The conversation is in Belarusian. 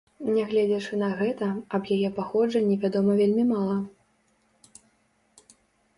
Нягледзячы на гэта, аб яе паходжанні вядома вельмі мала.